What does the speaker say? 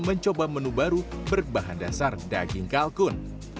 mencoba menu baru berbahan dasar daging kalkun